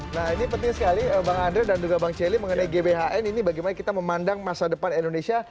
nah ini penting sekali bang andre dan juga bang celi mengenai gbhn ini bagaimana kita memandang masa depan indonesia